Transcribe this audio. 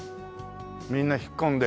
みんな引っ込んで。